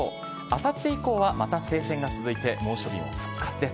あさって以降は、また晴天が続いて、猛暑日復活です。